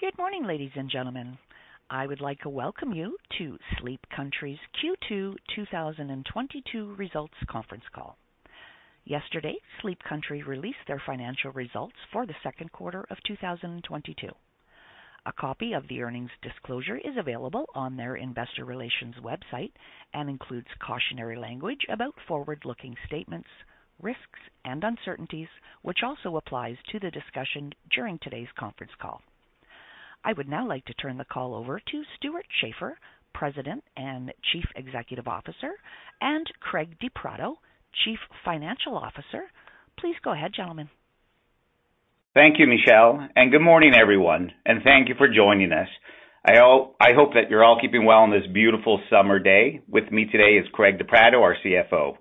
Good morning, ladies and gentlemen. I would like to welcome you to Sleep Country's Q2 2022 Results Conference Call. Yesterday, Sleep Country released their financial results for the second quarter of 2022. A copy of the earnings disclosure is available on their investor relations website and includes cautionary language about forward-looking statements, risks and uncertainties, which also applies to the discussion during today's conference call. I would now like to turn the call over to Stewart Schaefer, President and Chief Executive Officer, and Craig De Pratto, Chief Financial Officer. Please go ahead, gentlemen. Thank you, Michelle, and good morning, everyone, and thank you for joining us. I hope that you're all keeping well on this beautiful summer day. With me today is Craig De Pratto, our CFO.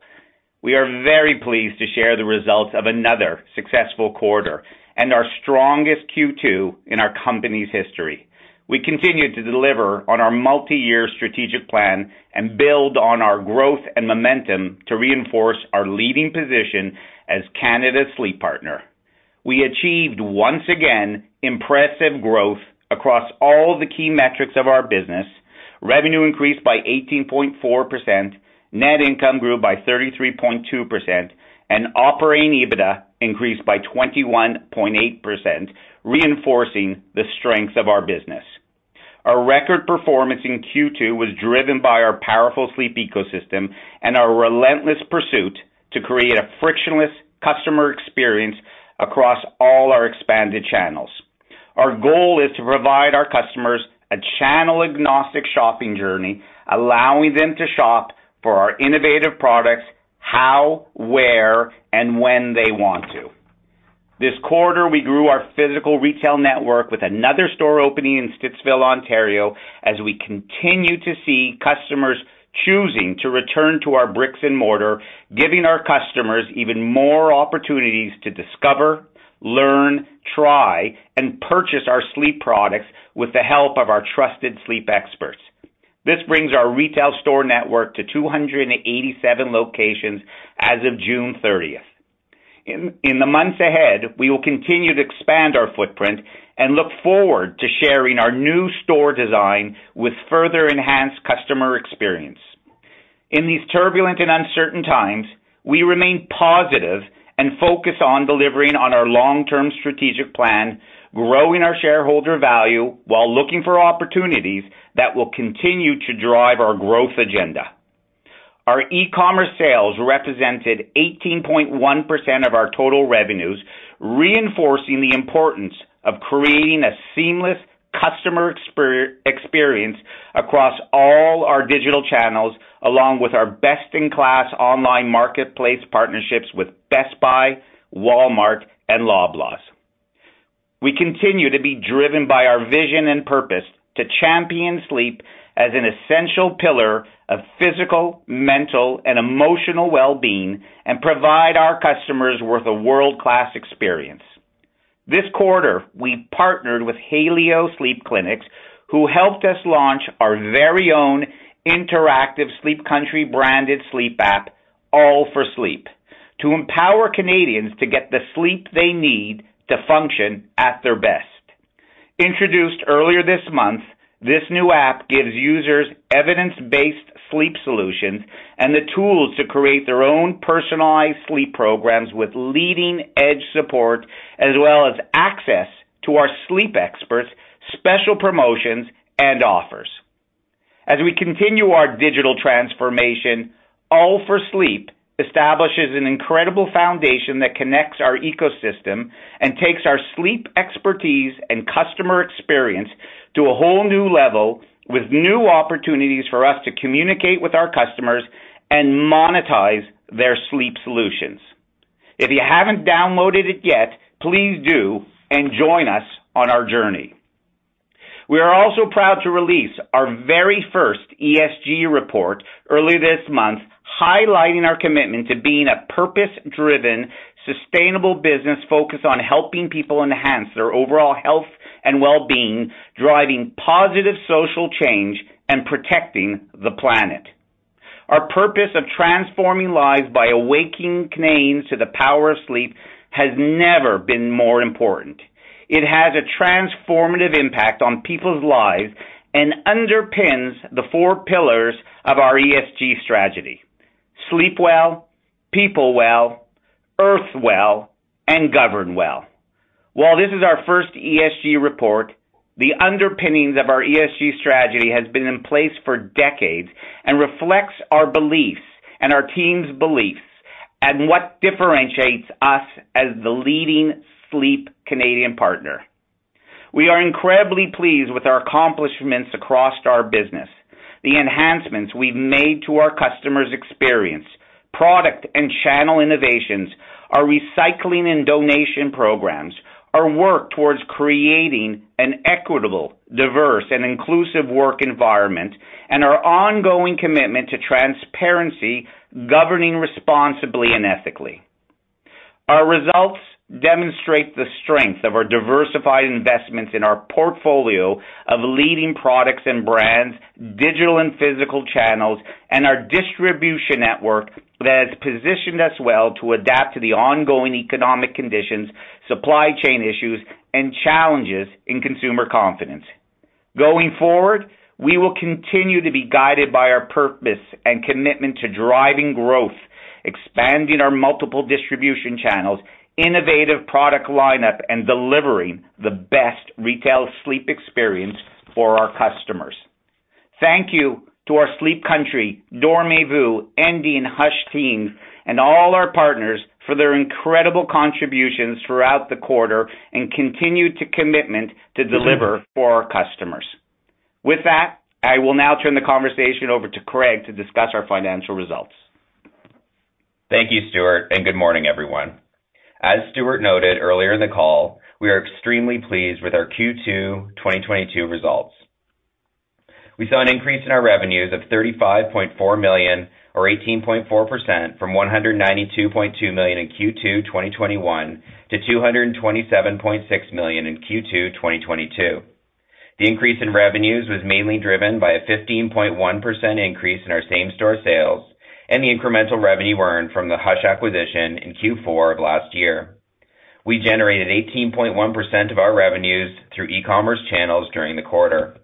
We are very pleased to share the results of another successful quarter and our strongest Q2 in our company's history. We continue to deliver on our multi-year strategic plan and build on our growth and momentum to reinforce our leading position as Canada's Sleep partner. We achieved once again impressive growth across all the key metrics of our business. Revenue increased by 18.4%, net income grew by 33.2%, and operating EBITDA increased by 21.8%, reinforcing the strength of our business. Our record performance in Q2 was driven by our powerful sleep ecosystem and our relentless pursuit to create a frictionless customer experience across all our expanded channels. Our goal is to provide our customers a channel-agnostic shopping journey, allowing them to shop for our innovative products how, where, and when they want to. This quarter, we grew our physical retail network with another store opening in Stittsville, Ontario, as we continue to see customers choosing to return to our brick-and-mortar, giving our customers even more opportunities to discover, learn, try, and purchase our sleep products with the help of our trusted sleep experts. This brings our retail store network to 287 locations as of June 30. In the months ahead, we will continue to expand our footprint and look forward to sharing our new store design with further enhanced customer experience. In these turbulent and uncertain times, we remain positive and focused on delivering on our long-term strategic plan, growing our shareholder value while looking for opportunities that will continue to drive our growth agenda. Our e-commerce sales represented 18.1% of our total revenues, reinforcing the importance of creating a seamless customer experience across all our digital channels, along with our best-in-class online marketplace partnerships with Best Buy, Walmart, and Loblaws. We continue to be driven by our vision and purpose to champion sleep as an essential pillar of physical, mental, and emotional well-being and provide our customers with a world-class experience. This quarter, we partnered with Haleo Sleep Clinics, who helped us launch our very own interactive Sleep Country branded sleep app, All for Sleep, to empower Canadians to get the sleep they need to function at their best. Introduced earlier this month, this new app gives users evidence-based sleep solutions and the tools to create their own personalized sleep programs with leading-edge support as well as access to our sleep experts, special promotions, and offers. As we continue our digital transformation, All for Sleep establishes an incredible foundation that connects our ecosystem and takes our sleep expertise and customer experience to a whole new level with new opportunities for us to communicate with our customers and monetize their sleep solutions. If you haven't downloaded it yet, please do and join us on our journey. We are also proud to release our very first ESG report early this month, highlighting our commitment to being a purpose-driven, sustainable business focused on helping people enhance their overall health and well-being, driving positive social change and protecting the planet. Our purpose of transforming lives by awakening Canadians to the power of sleep has never been more important. It has a transformative impact on people's lives and underpins the four pillars of our ESG strategy. Sleep Well, People Well, Earth Well, and Govern Well. While this is our first ESG report, the underpinnings of our ESG strategy has been in place for decades and reflects our beliefs and our team's beliefs and what differentiates us as the leading Canadian Sleep partner. We are incredibly pleased with our accomplishments across our business. The enhancements we've made to our customers' experience, product and channel innovations, our recycling and donation programs, our work towards creating an equitable, diverse, and inclusive work environment, and our ongoing commitment to transparency, governing responsibly and ethically. Our results demonstrate the strength of our diversified investments in our portfolio of leading products and brands, digital and physical channels, and our distribution network that has positioned us well to adapt to the ongoing economic conditions, supply chain issues, and challenges in consumer confidence. Going forward, we will continue to be guided by our purpose and commitment to driving growth, expanding our multiple distribution channels, innovative product lineup, and delivering the best retail sleep experience for our customers. Thank you to our Sleep Country, Dormez-vous, Endy and Hush teams, and all our partners for their incredible contributions throughout the quarter and continued commitment to deliver for our customers. With that, I will now turn the conversation over to Craig to discuss our financial results. Thank you, Stewart, and good morning, everyone. As Stewart noted earlier in the call, we are extremely pleased with our Q2 2022 results. We saw an increase in our revenues of 35.4 million or 18.4% from 192.2 million in Q2 2021 to 227.6 million in Q2 2022. The increase in revenues was mainly driven by a 15.1% increase in our same-store sales and the incremental revenue earned from the Hush acquisition in Q4 of last year. We generated 18.1% of our revenues through e-commerce channels during the quarter.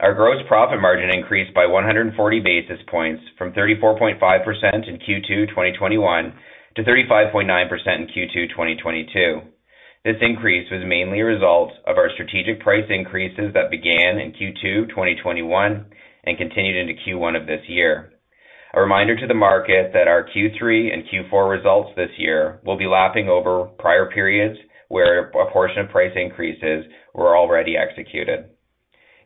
Our gross profit margin increased by 140 basis points from 34.5% in Q2 2021 to 35.9% in Q2 2022. This increase was mainly a result of our strategic price increases that began in Q2 2021 and continued into Q1 of this year. A reminder to the market that our Q3 and Q4 results this year will be lapping over prior periods where a portion of price increases were already executed.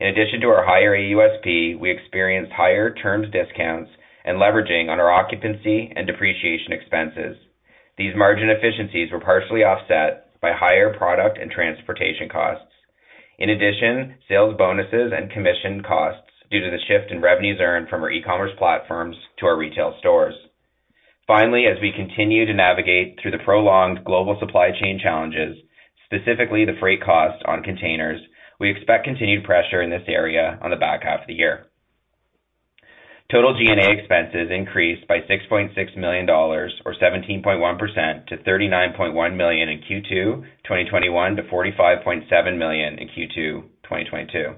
In addition to our higher AUSP, we experienced higher terms discounts and leveraging of our occupancy and depreciation expenses. These margin efficiencies were partially offset by higher product and transportation costs. In addition to sales bonuses and commission costs due to the shift in revenues earned from our e-commerce platforms to our retail stores. Finally, as we continue to navigate through the prolonged global supply chain challenges, specifically the freight cost on containers, we expect continued pressure in this area on the back half of the year. Total G&A expenses increased by 6.6 million dollars or 17.1% from 39.1 million in Q2 2021 to 45.7 million in Q2 2022.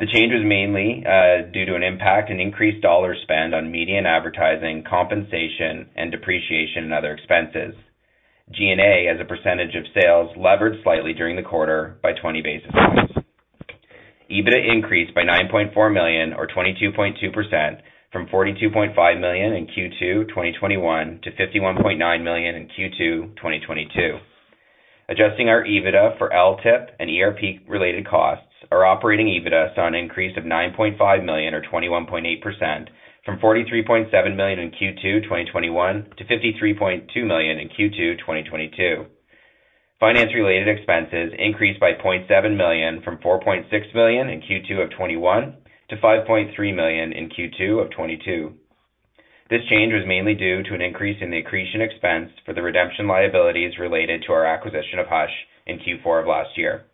The change was mainly due to an increase in dollar spend on media and advertising, compensation, and depreciation and other expenses. G&A, as a percentage of sales, leveraged slightly during the quarter by 20 basis points. EBITDA increased by 9.4 million or 22.2% from 42.5 million in Q2 2021 to 51.9 million in Q2 2022. Adjusting our EBITDA for LTIP and ERP-related costs, our operating EBITDA saw an increase of 9.5 million or 21.8% from 43.7 million in Q2 2021 to 53.2 million in Q2 2022. Finance-related expenses increased by 0.7 million from 4.6 million in Q2 of 2021 to 5.3 million in Q2 of 2022. This change was mainly due to an increase in the accretion expense for the redemption liabilities related to our acquisition of Hush in Q4 of last year.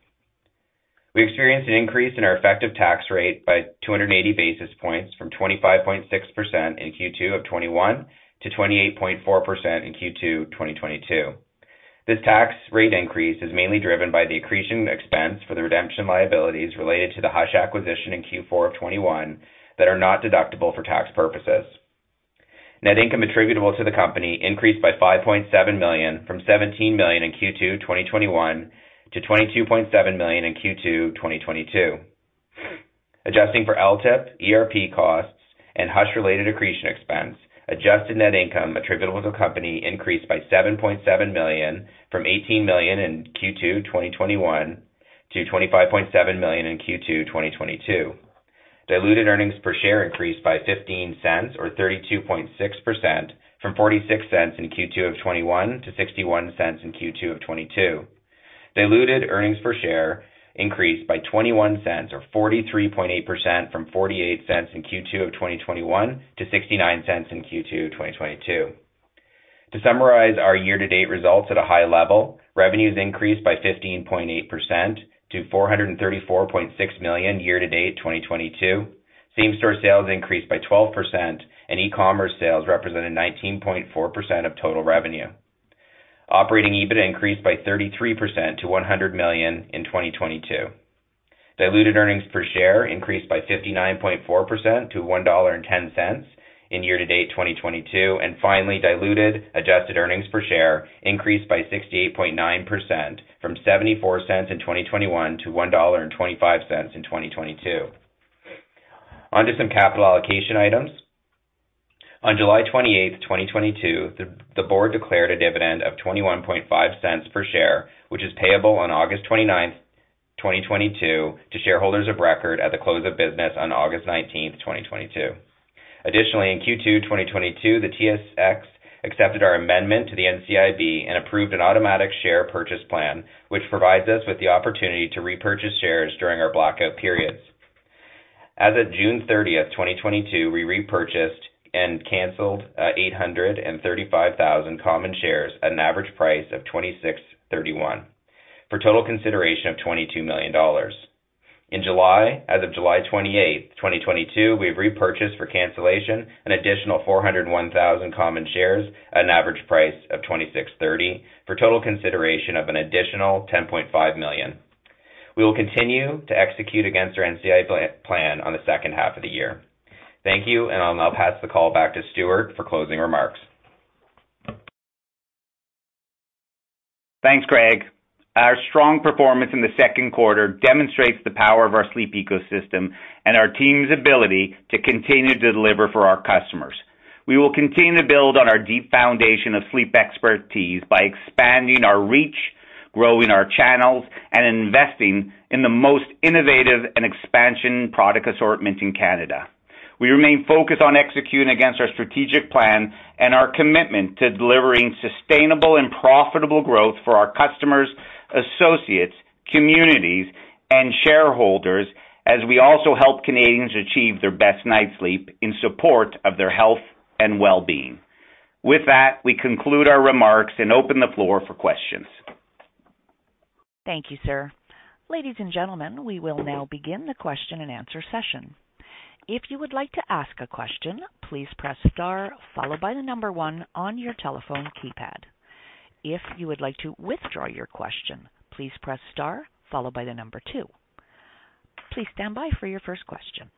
We experienced an increase in our effective tax rate by 280 basis points from 25.6% in Q2 of 2021 to 28.4% in Q2 2022. This tax rate increase is mainly driven by the accretion expense for the redemption liabilities related to the Hush acquisition in Q4 of 2021 that are not deductible for tax purposes. Net income attributable to the company increased by 5.7 million from 17 million in Q2 2021 to 22.7 million in Q2 2022. Adjusting for LTIP, ERP costs, and Hush-related accretion expense, adjusted net income attributable to company increased by CAD 7.7 million from CAD 18 million in Q2 2021 to CAD 25.7 million in Q2 2022. Diluted earnings per share increased by 0.15 or 32.6% from 0.46 in Q2 of 2021 to 0.61 in Q2 of 2022. Diluted earnings per share increased by 0.21 or 43.8% from 0.48 in Q2 of 2021 to 0.69 in Q2 2022. To summarize our year-to-date results at a high level, revenues increased by 15.8% to 434.6 million year-to-date 2022. Same-store sales increased by 12%, and e-commerce sales represented 19.4% of total revenue. Operating EBITDA increased by 33% to 100 million in 2022. Diluted earnings per share increased by 59.4% to 1.10 dollar in year-to-date 2022. Finally, diluted adjusted earnings per share increased by 68.9% from 0.74 in 2021 to 1.25 dollar in 2022. On to some capital allocation items. On July 28th, 2022, the board declared a dividend of 0.215 per share, which is payable on August 29th, 2022, to shareholders of record at the close of business on August 19th, 2022. Additionally, in Q2 2022, the TSX accepted our amendment to the NCIB and approved an automatic share purchase plan, which provides us with the opportunity to repurchase shares during our blackout periods. As of June 30th, 2022, we repurchased and canceled 835,000 common shares at an average price of 26.31, for total consideration of 22 million dollars. In July, as of July 28th, 2022, we've repurchased for cancellation an additional 401,000 common shares at an average price of 26.30 for total consideration of an additional 10.5 million. We will continue to execute against our NCIB plan in the second half of the year. Thank you, and I'll now pass the call back to Stewart for closing remarks. Thanks, Craig. Our strong performance in the second quarter demonstrates the power of our sleep ecosystem and our team's ability to continue to deliver for our customers. We will continue to build on our deep foundation of sleep expertise by expanding our reach, growing our channels, and investing in the most innovative and expansive product assortment in Canada. We remain focused on executing against our strategic plan and our commitment to delivering sustainable and profitable growth for our customers, associates, communities, and shareholders, as we also help Canadians achieve their best night's sleep in support of their health and well-being. With that, we conclude our remarks and open the floor for questions. Thank you, sir. Ladies and gentlemen, we will now begin the question-and-answer session. If you would like to ask a question, please press star followed by the number 1 on your telephone keypad. If you would like to withdraw your question, please press star followed by the number 2. Please stand by for your first question.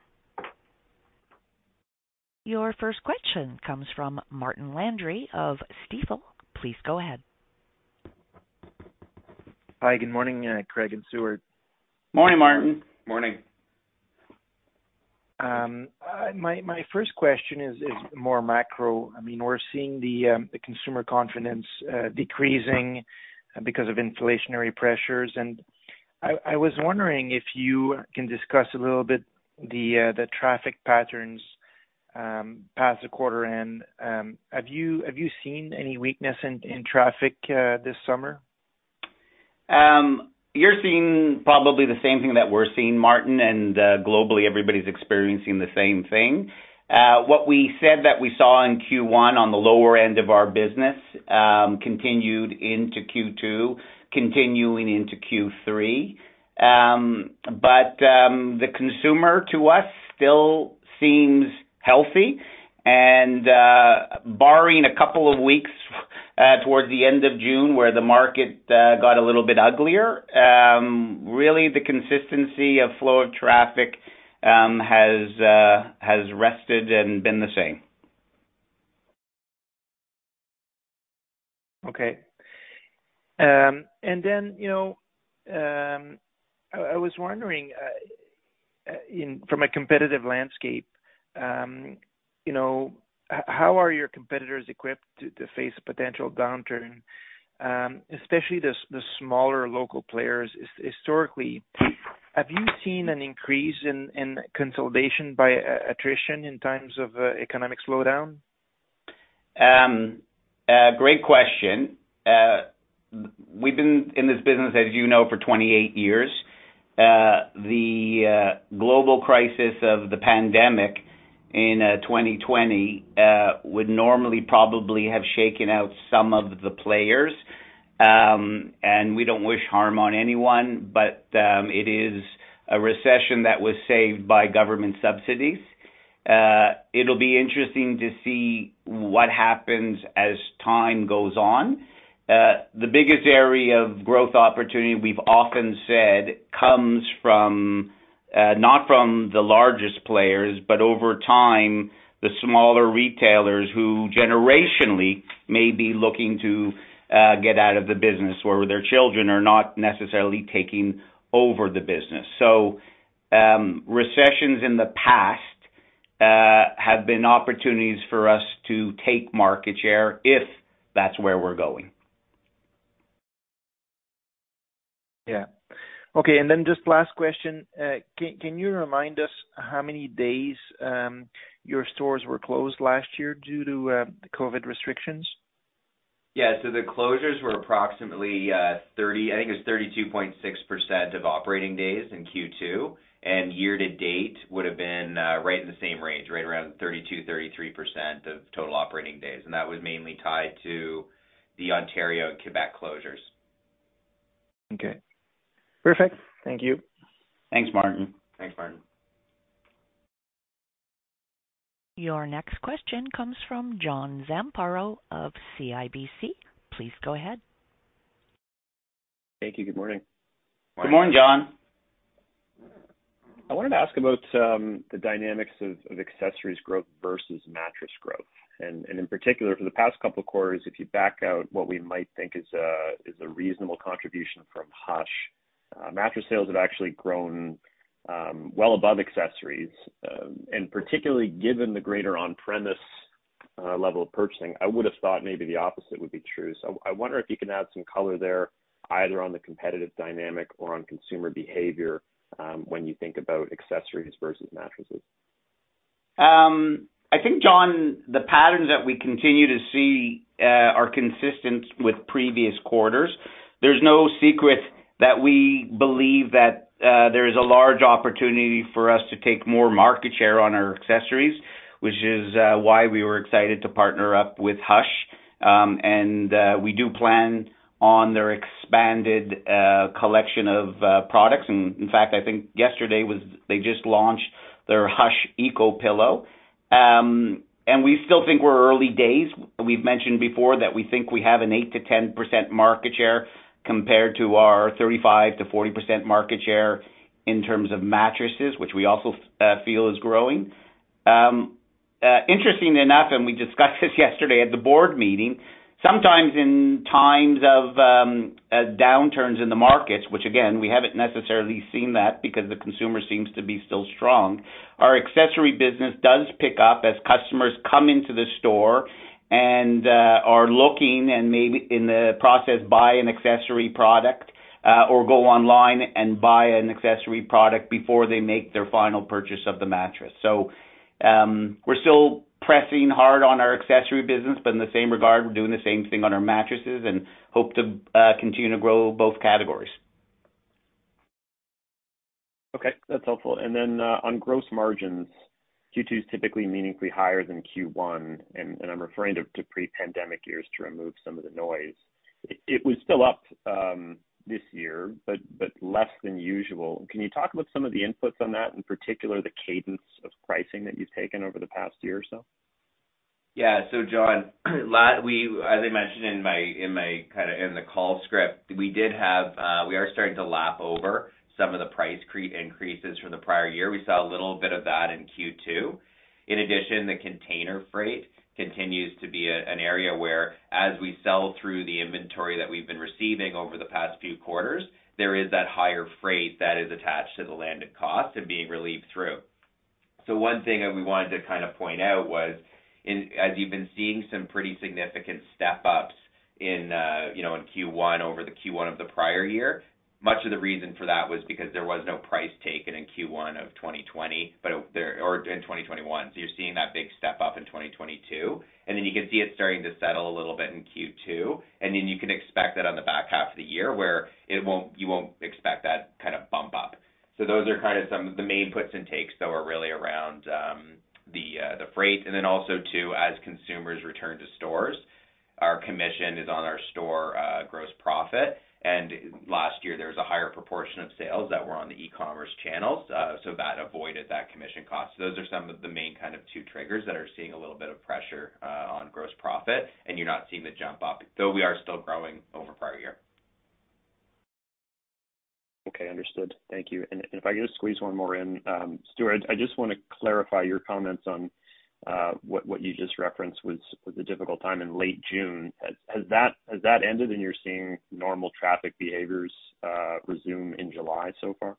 Your first question comes from Martin Landry of Stifel. Please go ahead. Hi, good morning, Craig and Stewart. Morning, Martin. Morning. My first question is more macro. I mean, we're seeing the consumer confidence decreasing because of inflationary pressures. I was wondering if you can discuss a little bit the traffic patterns past the quarter. Have you seen any weakness in traffic this summer? You're seeing probably the same thing that we're seeing, Martin, and globally, everybody's experiencing the same thing. What we said that we saw in Q1 on the lower end of our business continued into Q2, continuing into Q3. The consumer to us still seems healthy. Barring a couple of weeks towards the end of June, where the market got a little bit uglier, really the consistency of flow of traffic has rested and been the same. Okay. You know, I was wondering from a competitive landscape, you know, how are your competitors equipped to face a potential downturn, especially the smaller local players? Historically, have you seen an increase in consolidation by attrition in times of economic slowdown? A great question. We've been in this business, as you know, for 28 years. The global crisis of the pandemic in 2020 would normally probably have shaken out some of the players. We don't wish harm on anyone, but it is a recession that was saved by government subsidies. It'll be interesting to see what happens as time goes on. The biggest area of growth opportunity, we've often said, comes from, not from the largest players, but over time, the smaller retailers who generationally may be looking to get out of the business or their children are not necessarily taking over the business. Recessions in the past have been opportunities for us to take market share if that's where we're going. Yeah. Okay. Just last question. Can you remind us how many days your stores were closed last year due to the COVID restrictions? The closures were approximately, I think it was 32.6% of operating days in Q2. Year to date would have been right in the same range, right around 32-33% of total operating days. That was mainly tied to the Ontario and Quebec closures. Okay. Perfect. Thank you. Thanks, Martin. Thanks, Martin. Your next question comes from John Zamparo of CIBC. Please go ahead. Thank you. Good morning. Good morning, John. I wanted to ask about the dynamics of accessories growth versus mattress growth. In particular, for the past couple of quarters, if you back out what we might think is a reasonable contribution from Hush, mattress sales have actually grown well above accessories. Particularly given the greater on-premise level of purchasing, I would have thought maybe the opposite would be true. I wonder if you can add some color there, either on the competitive dynamic or on consumer behavior when you think about accessories versus mattresses. I think, John, the patterns that we continue to see are consistent with previous quarters. There's no secret that we believe that there is a large opportunity for us to take more market share on our accessories, which is why we were excited to partner up with Hush. We do plan on their expanded collection of products. In fact, I think yesterday they just launched their Hush Eco-Pillow. We still think we're early days. We've mentioned before that we think we have an 8%-10% market share compared to our 35%-40% market share in terms of mattresses, which we also feel is growing. Interestingly enough, we discussed this yesterday at the board meeting. Sometimes in times of downturns in the markets, which again, we haven't necessarily seen that because the consumer seems to be still strong, our accessory business does pick up as customers come into the store and are looking and maybe in the process, buy an accessory product or go online and buy an accessory product before they make their final purchase of the mattress. We're still pressing hard on our accessory business, but in the same regard, we're doing the same thing on our mattresses and hope to continue to grow both categories. Okay, that's helpful. On gross margins, Q2 is typically meaningfully higher than Q1, and I'm referring to pre-pandemic years to remove some of the noise. It was still up this year, but less than usual. Can you talk about some of the inputs on that, in particular, the cadence of pricing that you've taken over the past year or so? Yeah. John, as I mentioned in my kinda in the call script, we did have, we are starting to lap over some of the price increases from the prior year. We saw a little bit of that in Q2. In addition, the container freight continues to be an area where, as we sell through the inventory that we've been receiving over the past few quarters, there is that higher freight that is attached to the landed cost and being relieved through. One thing that we wanted to kind of point out was, as you've been seeing some pretty significant step-ups in, you know, in Q1 over the Q1 of the prior year, much of the reason for that was because there was no price taken in Q1 of 2020, but or in 2021. You're seeing that big step up in 2022, and then you can see it starting to settle a little bit in Q2, and then you can expect that on the back half of the year where you won't expect that kind of bump up. Those are kind of some of the main puts and takes, though, are really around the freight. Then also too, as consumers return to stores, our commission is on our store gross profit. Last year there was a higher proportion of sales that were on the e-commerce channels, so that avoided that commission cost. Those are some of the main kind of two triggers that are seeing a little bit of pressure on gross profit, and you're not seeing the jump up, though we are still growing over prior year. Okay. Understood. Thank you. If I could just squeeze one more in. Stewart, I just wanna clarify your comments on what you just referenced was a difficult time in late June. Has that ended and you're seeing normal traffic behaviors resume in July so far?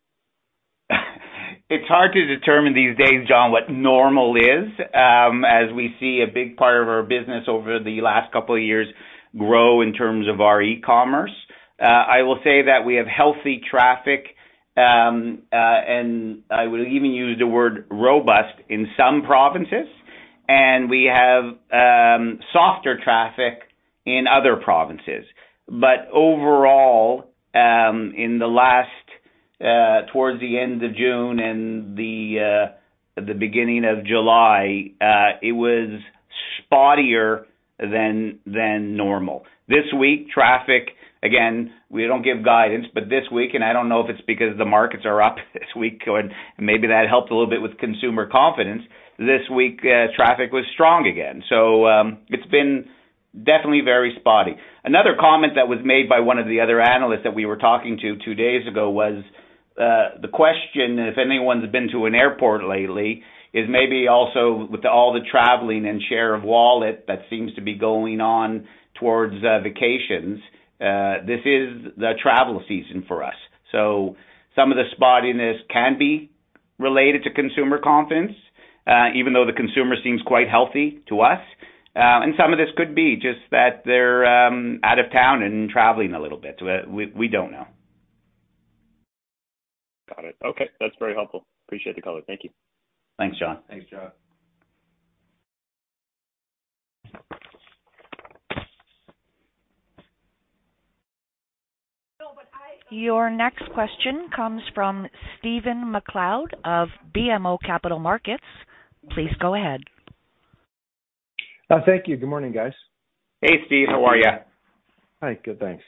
It's hard to determine these days, John, what normal is, as we see a big part of our business over the last couple of years grow in terms of our e-commerce. I will say that we have healthy traffic, and I would even use the word robust in some provinces, and we have softer traffic in other provinces. Overall, towards the end of June and the beginning of July, it was spottier than normal. This week, traffic. Again, we don't give guidance, but this week, and I don't know if it's because the markets are up this week or maybe that helped a little bit with consumer confidence. This week, traffic was strong again. It's been definitely very spotty. Another comment that was made by one of the other analysts that we were talking to two days ago was the question if anyone's been to an airport lately is maybe also with all the traveling and share of wallet that seems to be going on towards vacations. This is the travel season for us. Some of the spottiness can be related to consumer confidence, even though the consumer seems quite healthy to us. Some of this could be just that they're out of town and traveling a little bit. We don't know. Got it. Okay. That's very helpful. Appreciate the color. Thank you. Thanks, John. Thanks, John. Your next question comes from Stephen MacLeod of BMO Capital Markets. Please go ahead. Thank you. Good morning, guys. Hey, Steve. How are you? Hi. Good, thanks.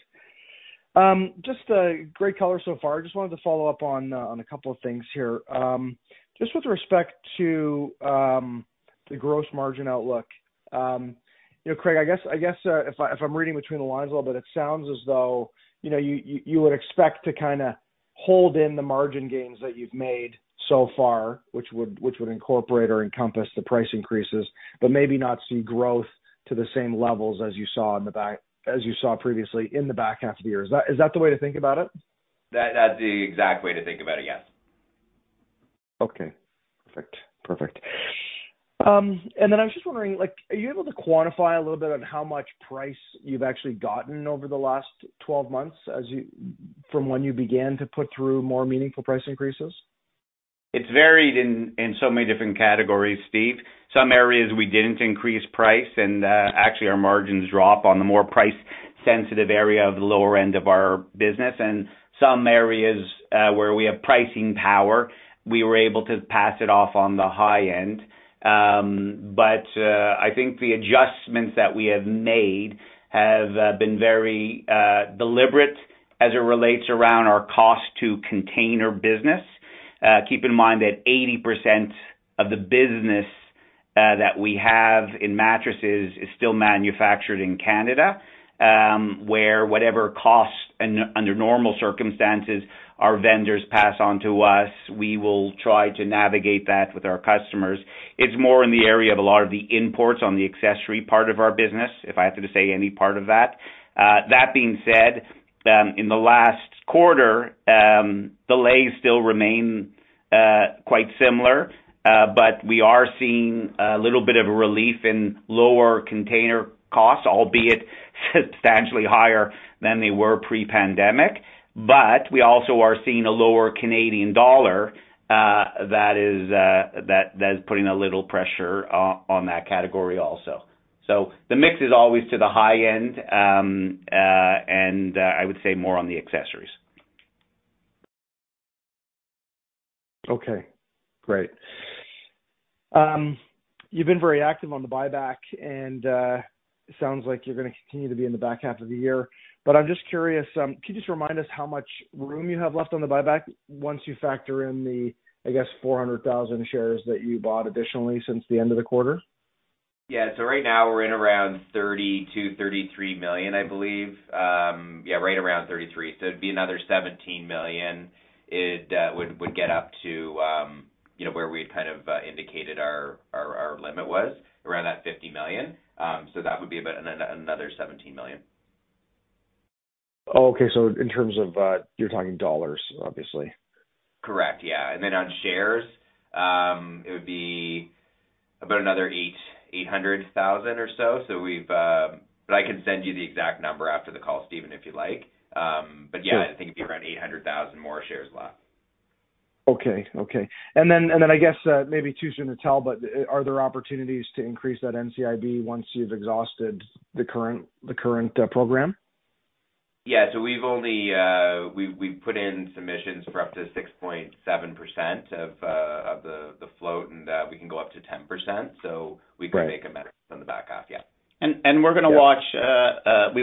Just a great color so far. I just wanted to follow up on a couple of things here. Just with respect to the gross margin outlook, you know, Craig, I guess if I'm reading between the lines a little bit, it sounds as though you would expect to kinda hold in the margin gains that you've made so far, which would incorporate or encompass the price increases, but maybe not see growth to the same levels as you saw previously in the back half of the year. Is that the way to think about it? That's the exact way to think about it, yes. Perfect. I was just wondering, like, are you able to quantify a little bit on how much price you've actually gotten over the last 12 months from when you began to put through more meaningful price increases? It's varied in so many different categories, Stephen. Some areas we didn't increase price, and actually our margins drop on the more price-sensitive area of the lower end of our business. Some areas where we have pricing power, we were able to pass it off on the high end. I think the adjustments that we have made have been very deliberate. As it relates around our cost to container business, keep in mind that 80% of the business that we have in mattresses is still manufactured in Canada, where whatever costs under normal circumstances our vendors pass on to us, we will try to navigate that with our customers. It's more in the area of a lot of the imports on the accessory part of our business, if I have to say any part of that. That being said, in the last quarter, delays still remain quite similar. We are seeing a little bit of relief in lower container costs, albeit substantially higher than they were pre-pandemic. We also are seeing a lower Canadian dollar that is putting a little pressure on that category also. The mix is always to the high end, I would say more on the accessories. Okay, great. You've been very active on the buyback, and it sounds like you're gonna continue to be in the back half of the year. I'm just curious, can you just remind us how much room you have left on the buyback once you factor in the, I guess, 400,000 shares that you bought additionally since the end of the quarter? Yeah. Right now we're in around 30-33 million, I believe. Yeah, right around 33 million. It'd be another 17 million. Would get up to, you know, where we had kind of indicated our limit was around that 50 million. That would be about another 17 million. Oh, okay. In terms of, you're talking dollars, obviously. Correct. Yeah. On shares, it would be about another 800,000 or so. I can send you the exact number after the call, Stephen, if you like. Yeah. Sure. I think it'd be around 800,000 more shares left. Okay. I guess maybe too soon to tell, but are there opportunities to increase that NCIB once you've exhausted the current program? Yeah. We've only put in submissions for up to 6.7% of the float, and we can go up to 10%, so- Right. - we can make a better from the back half. Yeah. We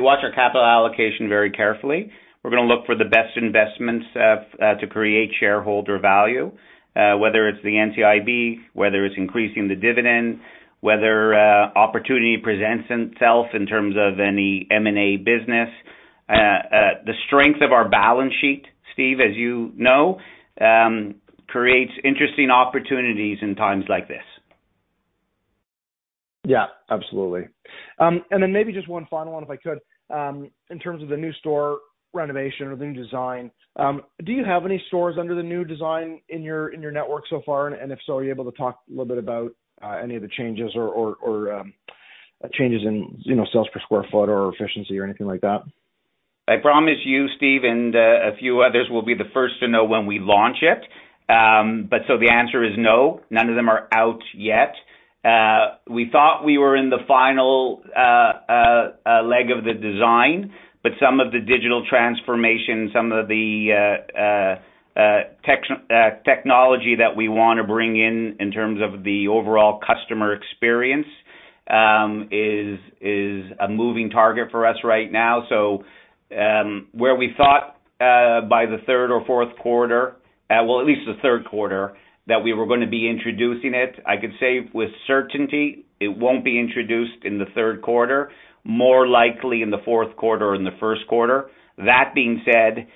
watch our capital allocation very carefully. We're gonna look for the best investments to create shareholder value, whether it's the NCIB, whether it's increasing the dividend, whether opportunity presents itself in terms of any M&A business. The strength of our balance sheet, Stephen, as you know, creates interesting opportunities in times like this. Yeah, absolutely. Maybe just one final one, if I could. In terms of the new store renovation or new design, do you have any stores under the new design in your network so far? If so, are you able to talk a little bit about any of the changes or changes in, you know, sales per square foot or efficiency or anything like that? I promise you, Stephen, and a few others will be the first to know when we launch it. The answer is no, none of them are out yet. We thought we were in the final leg of the design, but some of the digital transformation, some of the technology that we wanna bring in in terms of the overall customer experience is a moving target for us right now. Where we thought by the third or fourth quarter, well, at least the third quarter, that we were gonna be introducing it, I could say with certainty it won't be introduced in the third quarter, more likely in the fourth quarter or in the first quarter. That being said,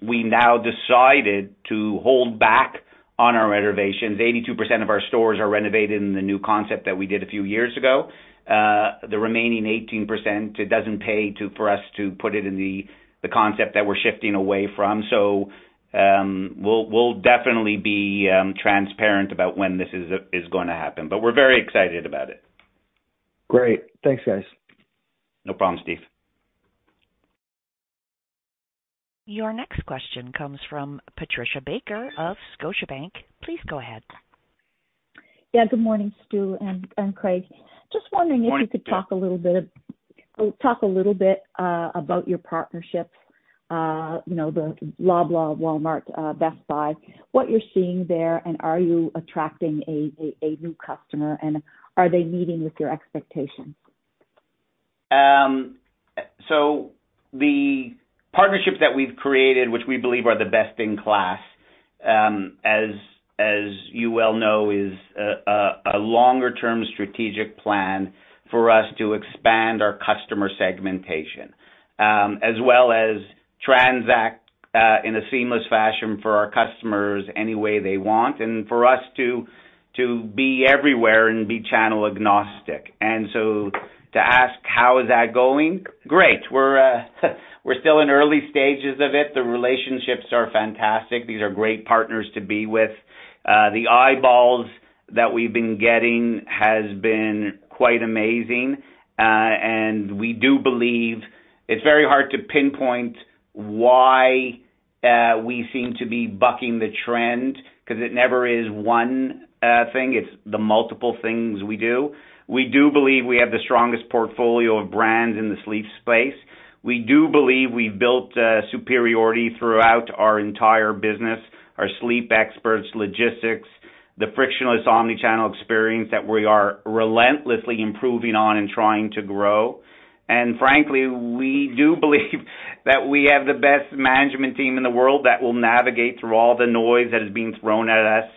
we now decided to hold back on our renovations. 82% of our stores are renovated in the new concept that we did a few years ago. The remaining 18%, it doesn't pay for us to put it in the concept that we're shifting away from. We'll definitely be transparent about when this is gonna happen, but we're very excited about it. Great. Thanks, guys. No problem, Stephen. Your next question comes from Patricia Baker of Scotiabank. Please go ahead. Yeah, good morning, Stewart and Craig. Just wondering if you could talk a little bit about your partnerships, you know, the Loblaws, Walmart, Best Buy, what you're seeing there, and are you attracting a new customer, and are they meeting with your expectations? The partnerships that we've created, which we believe are the best in class, as you well know, is a longer-term strategic plan for us to expand our customer segmentation, as well as transact in a seamless fashion for our customers any way they want, and for us to be everywhere and be channel agnostic. To ask how is that going? Great. We're still in early stages of it. The relationships are fantastic. These are great partners to be with. The eyeballs that we've been getting has been quite amazing. And we do believe it's very hard to pinpoint why we seem to be bucking the trend, 'cause it never is one thing, it's the multiple things we do. We do believe we have the strongest portfolio of brands in the sleep space. We do believe we built superiority throughout our entire business, our sleep experts, logistics. The frictionless omni-channel experience that we are relentlessly improving on and trying to grow. Frankly, we do believe that we have the best management team in the world that will navigate through all the noise that is being thrown at us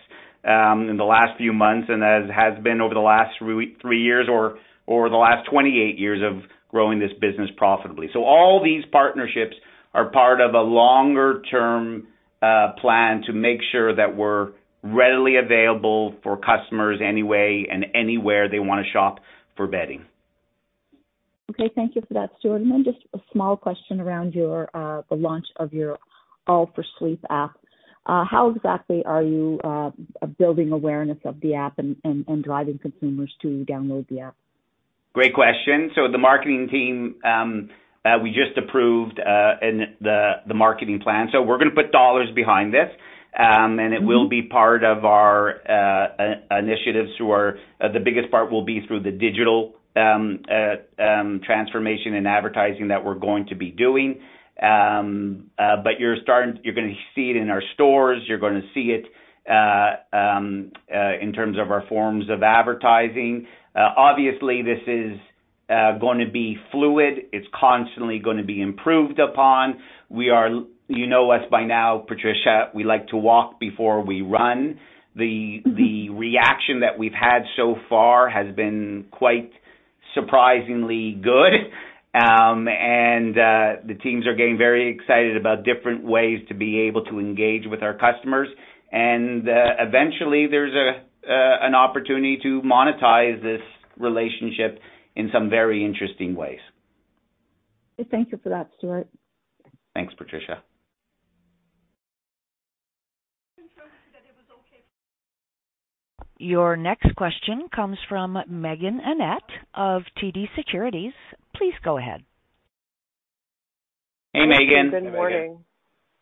in the last few months, and as has been over the last three years or the last 28 years of growing this business profitably. All these partnerships are part of a longer-term plan to make sure that we're readily available for customers any way and anywhere they wanna shop for bedding. Okay. Thank you for that, Stewart. Just a small question around the launch of your All for Sleep app. How exactly are you building awareness of the app and driving consumers to download the app? Great question. The marketing team we just approved in the marketing plan. We're gonna put dollars behind this, and it will be part of our initiatives. The biggest part will be through the digital transformation and advertising that we're going to be doing. You're gonna see it in our stores. You're gonna see it in terms of our forms of advertising. Obviously, this is gonna be fluid. It's constantly gonna be improved upon. You know us by now, Patricia, we like to walk before we run. The reaction that we've had so far has been quite surprisingly good. The teams are getting very excited about different ways to be able to engage with our customers. Eventually there's an opportunity to monetize this relationship in some very interesting ways. Thank you for that, Stewart. Thanks, Patricia. Your next question comes from Meaghen Annett of TD Securities. Please go ahead. Hey, Meaghen. Good morning.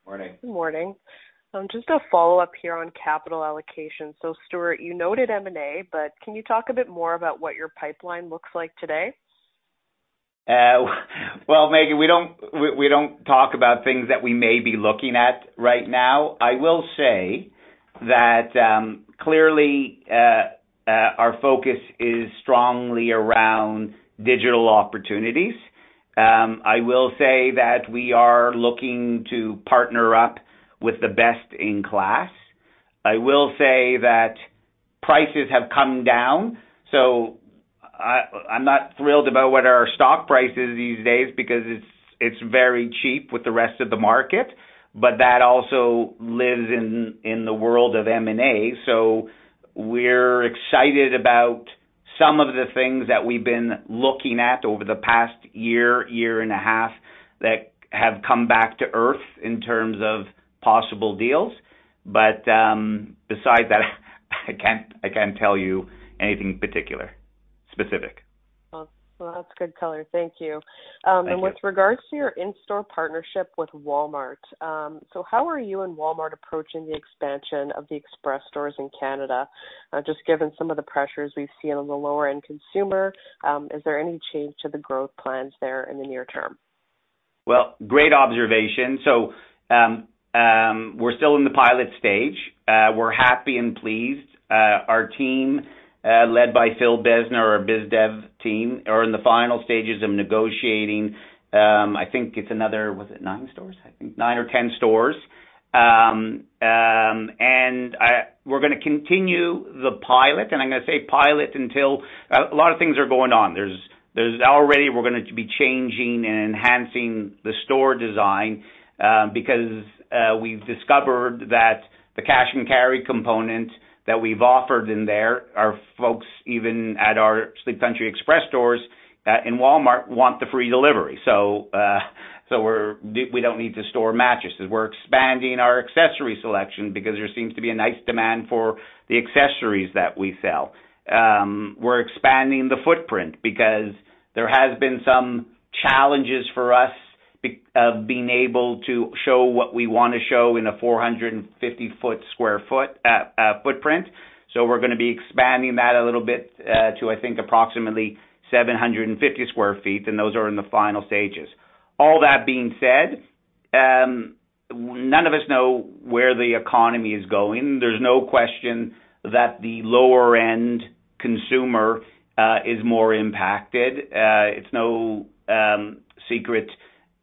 Morning. Good morning. Just a follow-up here on capital allocation. Stewart, you noted M&A, but can you talk a bit more about what your pipeline looks like today? Well, Meaghen, we don't talk about things that we may be looking at right now. I will say that clearly our focus is strongly around digital opportunities. I will say that we are looking to partner up with the best in class. I will say that prices have come down, so I'm not thrilled about what our stock price is these days because it's very cheap with the rest of the market, but that also lives in the world of M&A. We're excited about some of the things that we've been looking at over the past year and a half that have come back to earth in terms of possible deals. Besides that, I can't tell you anything particular specific. Well, that's good color. Thank you. Thank you. With regards to your in-store partnership with Walmart, how are you and Walmart approaching the expansion of the Express stores in Canada? Just given some of the pressures we've seen on the lower-end consumer, is there any change to the growth plans there in the near term? Well, great observation. We're still in the pilot stage. We're happy and pleased. Our team, led by Phil Besner, our biz dev team, are in the final stages of negotiating, I think it's another. Was it nine stores? I think nine or 10 stores. We're gonna continue the pilot, and I'm gonna say pilot until a lot of things are going on. There's already we're gonna be changing and enhancing the store design, because we've discovered that the cash and carry component that we've offered in there are folks even at our Sleep Country Express stores in Walmart want the free delivery. So, we don't need to store mattresses. We're expanding our accessory selection because there seems to be a nice demand for the accessories that we sell. We're expanding the footprint because there has been some challenges for us being able to show what we wanna show in a 450 sq ft footprint. We're gonna be expanding that a little bit to, I think, approximately 750 sq ft, and those are in the final stages. All that being said, none of us know where the economy is going. There's no question that the lower-end consumer is more impacted. It's no secret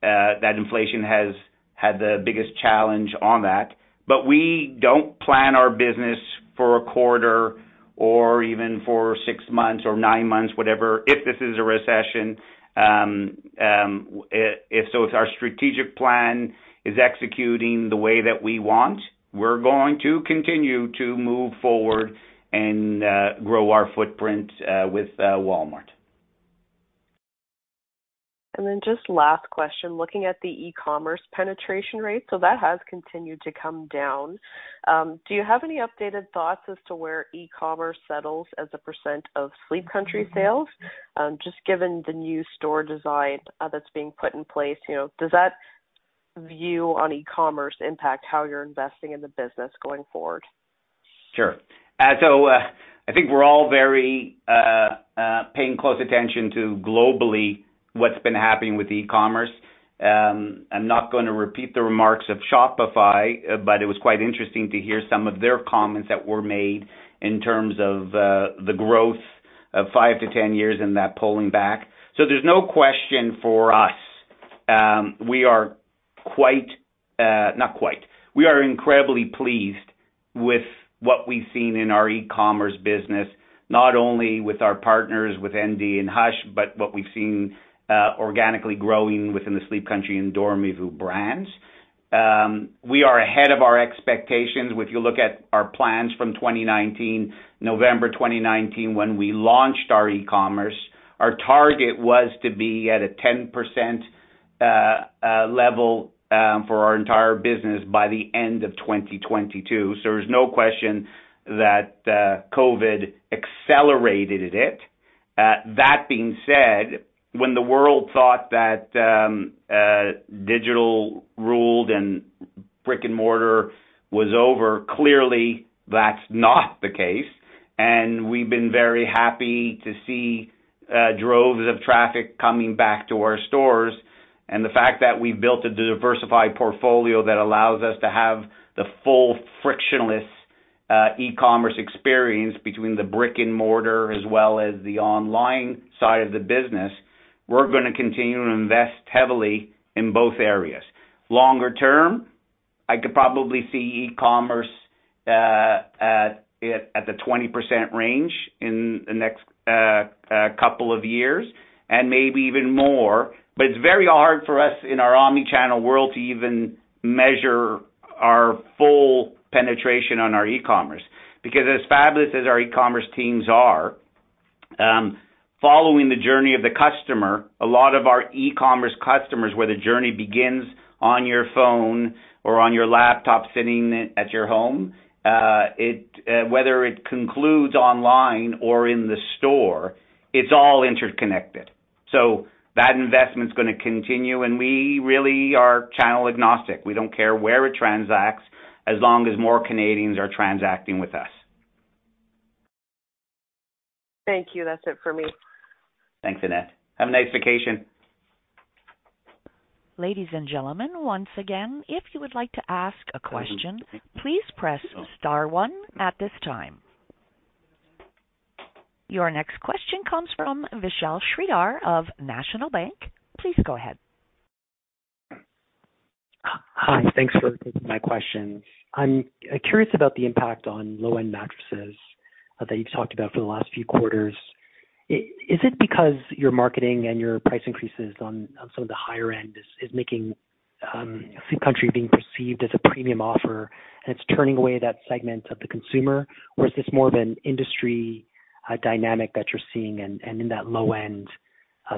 that inflation has had the biggest challenge on that. We don't plan our business for a quarter or even for six months or nine months, whatever, if this is a recession. If so, our strategic plan is executing the way that we want, we're going to continue to move forward and grow our footprint with Walmart. Just last question, looking at the e-commerce penetration rate. That has continued to come down. Do you have any updated thoughts as to where e-commerce settles as a percent of Sleep Country sales? Just given the new store design, that's being put in place, you know, does that view on e-commerce impact how you're investing in the business going forward? Sure. I think we're all very paying close attention to globally what's been happening with e-commerce. I'm not gonna repeat the remarks of Shopify, but it was quite interesting to hear some of their comments that were made in terms of the growth of 5-10 years and that pulling back. There's no question for us. We are incredibly pleased with what we've seen in our e-commerce business, not only with our partners with Endy and Hush, but what we've seen organically growing within the Sleep Country and Dormez-vous brands. We are ahead of our expectations. If you look at our plans from 2019, November 2019, when we launched our e-commerce, our target was to be at a 10%, level, for our entire business by the end of 2022. There's no question that, COVID accelerated it. That being said, when the world thought that, digital ruled and brick-and-mortar was over, clearly that's not the case. We've been very happy to see, droves of traffic coming back to our stores. The fact that we built a diversified portfolio that allows us to have the full frictionless, e-commerce experience between the brick-and-mortar as well as the online side of the business, we're gonna continue to invest heavily in both areas. Longer term, I could probably see e-commerce at the 20% range in the next couple of years, and maybe even more. It's very hard for us in our omni-channel world to even measure our full penetration on our e-commerce. Because as fabulous as our e-commerce teams are, following the journey of the customer, a lot of our e-commerce customers, where the journey begins on your phone or on your laptop sitting at your home, whether it concludes online or in the store, it's all interconnected. That investment's gonna continue, and we really are channel agnostic. We don't care where it transacts as long as more Canadians are transacting with us. Thank you. That's it for me. Thanks, Annett. Have a nice vacation. Ladies and gentlemen, once again, if you would like to ask a question, please press star 1 at this time. Your next question comes from Vishal Shreedhar of National Bank Financial. Please go ahead. Hi. Thanks for taking my questions. I'm curious about the impact on low-end mattresses that you've talked about for the last few quarters. Is it because your marketing and your price increases on some of the higher end is making Sleep Country being perceived as a premium offer, and it's turning away that segment of the consumer? Or is this more of an industry dynamic that you're seeing and in that low end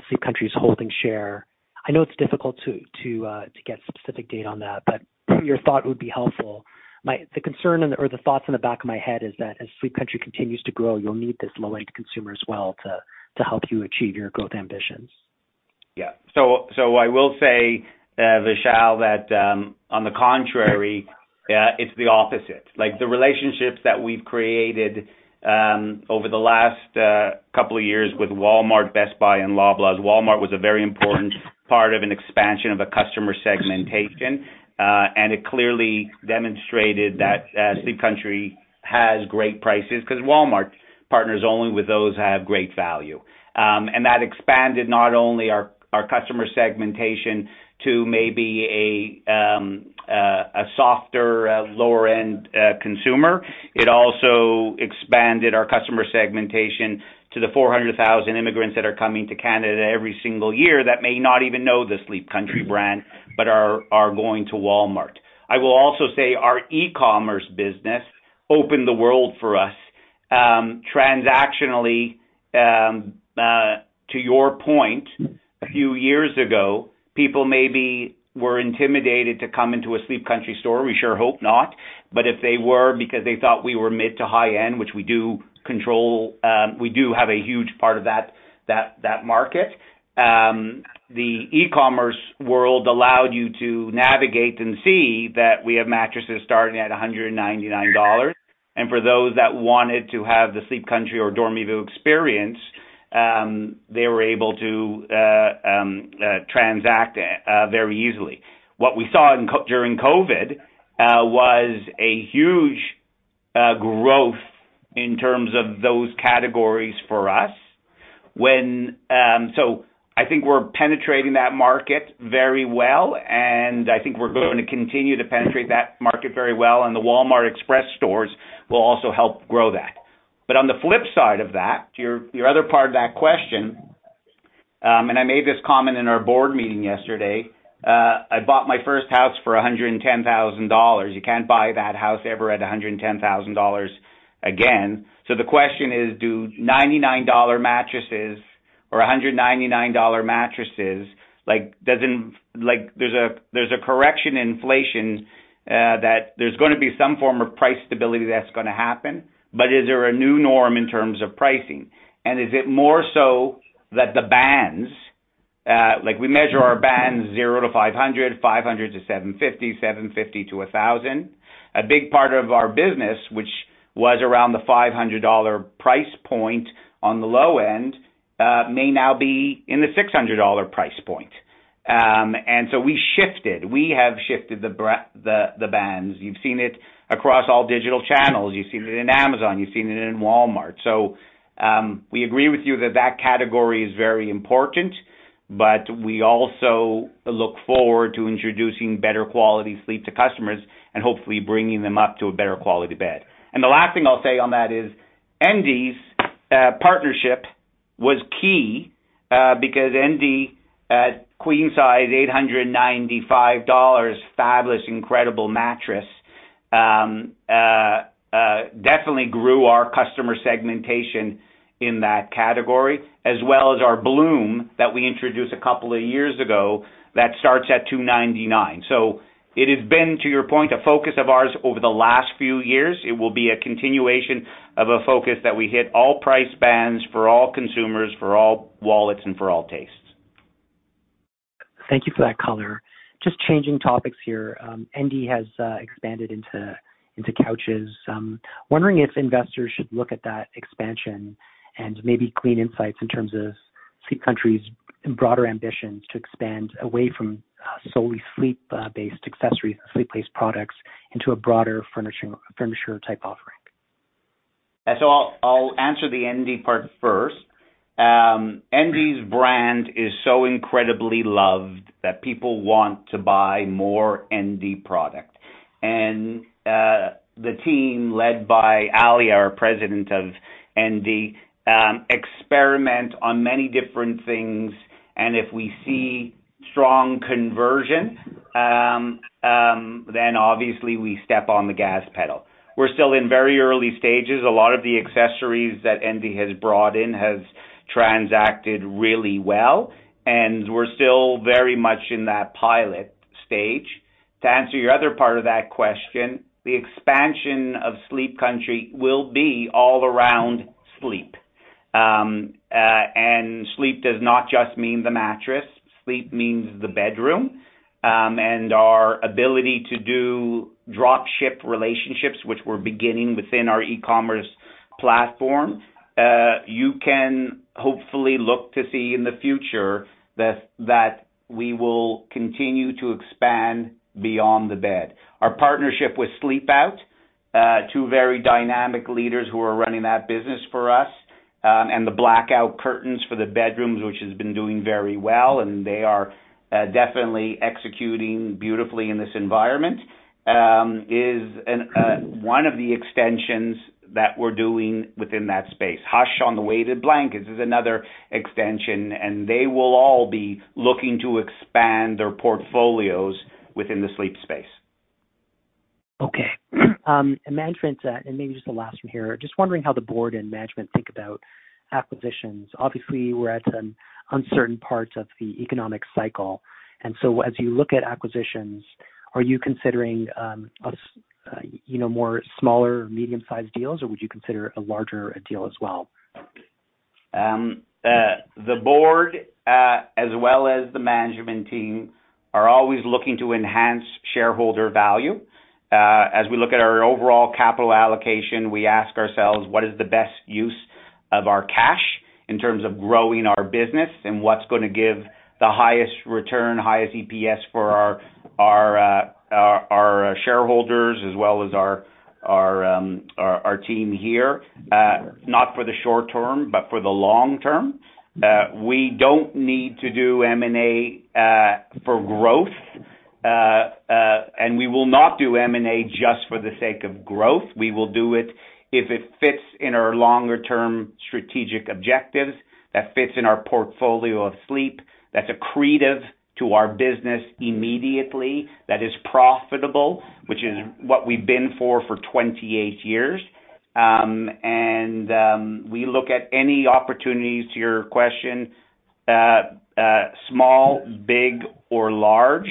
Sleep Country's holding share? I know it's difficult to get specific data on that, but maybe your thought would be helpful. The concern or the thoughts in the back of my head is that as Sleep Country continues to grow, you'll need this low-end consumer as well to help you achieve your growth ambitions. I will say, Vishal, that on the contrary, it's the opposite. Like, the relationships that we've created over the last couple of years with Walmart, Best Buy and Loblaws. Walmart was a very important part of an expansion of a customer segmentation. It clearly demonstrated that Sleep Country has great prices 'cause Walmart partners only with those that have great value. That expanded not only our customer segmentation to maybe a softer, lower-end consumer. It also expanded our customer segmentation to the 400,000 immigrants that are coming to Canada every single year that may not even know the Sleep Country brand but are going to Walmart. I will also say our e-commerce business opened the world for us. Transactionally, to your point, a few years ago, people maybe were intimidated to come into a Sleep Country store. We sure hope not. But if they were because they thought we were mid to high end, which we do control, we do have a huge part of that market. The e-commerce world allowed you to navigate and see that we have mattresses starting at 199 dollars. For those that wanted to have the Sleep Country or Dormez-vous experience, they were able to transact very easily. What we saw during COVID was a huge growth in terms of those categories for us. I think we're penetrating that market very well, and I think we're going to continue to penetrate that market very well. The Walmart Express stores will also help grow that. On the flip side of that, to your other part of that question, and I made this comment in our board meeting yesterday, I bought my first house for 110,000 dollars. You can't buy that house ever at 110,000 dollars again. The question is, do 99 dollar mattresses or 199 dollar mattresses, like, there's a correction inflation that there's gonna be some form of price stability that's gonna happen, but is there a new norm in terms of pricing? Is it more so that the bands, like we measure our bands 0-500, 500-750, 750-1,000. A big part of our business, which was around the 500 dollar price point on the low end, may now be in the 600 dollar price point. We shifted. We have shifted the bands. You've seen it across all digital channels, you've seen it in Amazon, you've seen it in Walmart. We agree with you that that category is very important, but we also look forward to introducing better quality sleep to customers and hopefully bringing them up to a better quality bed. The last thing I'll say on that is, Endy's partnership was key, because Endy at queen size, 895 dollars, fabulous, incredible mattress, definitely grew our customer segmentation in that category, as well as our Bloom that we introduced a couple of years ago that starts at 299. It has been, to your point, a focus of ours over the last few years. It will be a continuation of a focus that we hit all price bands for all consumers, for all wallets and for all tastes. Thank you for that color. Just changing topics here, Endy has expanded into couches. Wondering if investors should look at that expansion and maybe glean insights in terms of Sleep Country's broader ambitions to expand away from solely sleep-based accessories, sleep-based products, into a broader furnishing, furniture type offering. I'll answer the Endy part first. Endy's brand is so incredibly loved that people want to buy more Endy product. The team led by Ali, our president of Endy, experiment on many different things, and if we see strong conversion, then obviously we step on the gas pedal. We're still in very early stages. A lot of the accessories that Endy has brought in has transacted really well, and we're still very much in that pilot stage. To answer your other part of that question, the expansion of Sleep Country will be all around sleep. Sleep does not just mean the mattress. Sleep means the bedroom, and our ability to do drop ship relationships, which we're beginning within our e-commerce platform. You can hopefully look to see in the future that we will continue to expand beyond the bed. Our partnership with Sleepout, two very dynamic leaders who are running that business for us, and the blackout curtains for the bedrooms, which has been doing very well, and they are definitely executing beautifully in this environment, is one of the extensions that we're doing within that space. Hush on the weighted blankets is another extension, and they will all be looking to expand their portfolios within the sleep space. Okay. Management, and maybe just the last one here. Just wondering how the board and management think about acquisitions. Obviously, we're at an uncertain part of the economic cycle, and so as you look at acquisitions, are you considering, you know, more smaller medium-sized deals, or would you consider a larger deal as well? The board, as well as the management team are always looking to enhance shareholder value. As we look at our overall capital allocation, we ask ourselves, what is the best use of our cash in terms of growing our business and what's gonna give the highest return, highest EPS for our shareholders as well as our team here. Not for the short term, but for the long term. We don't need to do M&A for growth. We will not do M&A just for the sake of growth. We will do it if it fits in our longer term strategic objectives, that fits in our portfolio of sleep, that's accretive to our business immediately, that is profitable, which is what we've been for 28 years. We look at any opportunities to your question, small, big or large.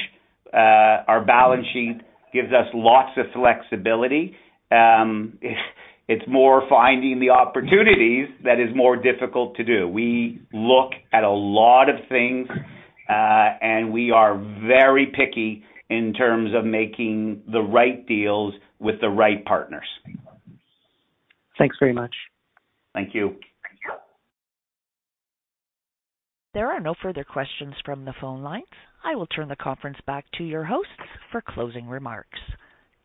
Our balance sheet gives us lots of flexibility. It's more finding the opportunities that is more difficult to do. We look at a lot of things, and we are very picky in terms of making the right deals with the right partners. Thanks very much. Thank you. There are no further questions from the phone lines. I will turn the conference back to your hosts for closing remarks.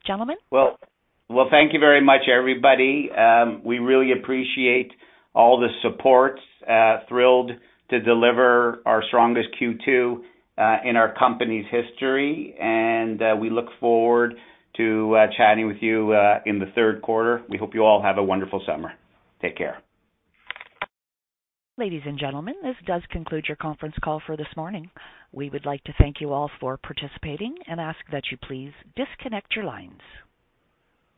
Gentlemen? Well, well, thank you very much, everybody. We really appreciate all the support. Thrilled to deliver our strongest Q2 in our company's history. We look forward to chatting with you in the third quarter. We hope you all have a wonderful summer. Take care. Ladies and gentlemen, this does conclude your conference call for this morning. We would like to thank you all for participating and ask that you please disconnect your lines.